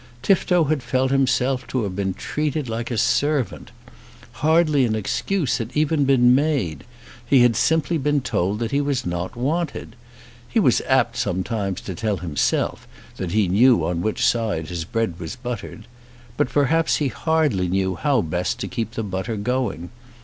Tifto had felt himself to have been treated like a servant. Hardly an excuse had even been made. He had been simply told that he was not wanted. He was apt sometimes to tell himself that he knew on which side his bread was buttered. But perhaps he hardly knew how best to keep the butter going.